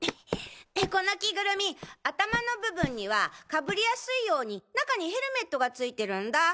この着ぐるみ頭の部分にはかぶりやすいように中にヘルメットがついてるんだ。